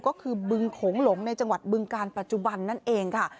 ก็คือบึงโขงหลงในจังหวัดบึงการปัจจุบันนั่นเองค่ะ